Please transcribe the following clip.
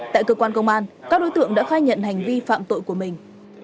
tại cơ quan công an các đối tượng đã khai nhận hành vi phạm tội của mình